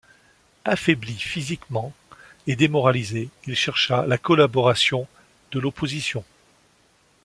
Affaibli physiquement et démoralisé, il chercha la collaboration de l'opposition.